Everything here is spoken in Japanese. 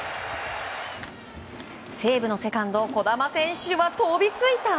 西武のセカンド児玉選手は飛びついた！